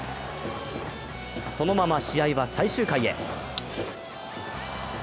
そのまま試合は最終回へ。